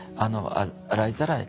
洗いざらい